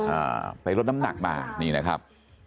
อ่าไปลดน้ำหนักมานี่นะครับ